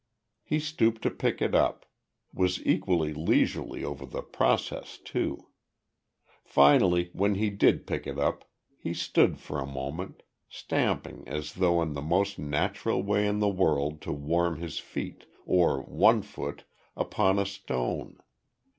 He stooped to pick it up; was equally leisurely over the process too. Finally, when he did pick it up, he stood for a moment, stamping as though in the most natural way in the world to warm his feet or one foot upon a stone.